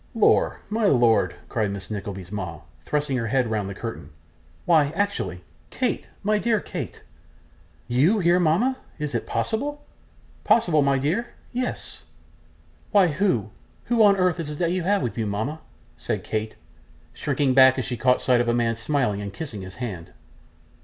'Lor, my lord!' cried Miss Nickleby's mama, thrusting her head round the curtain. 'Why actually Kate, my dear, Kate.' 'YOU here, mama! Is it possible!' 'Possible, my dear? Yes.' 'Why who who on earth is that you have with you, mama?' said Kate, shrinking back as she caught sight of a man smiling and kissing his hand.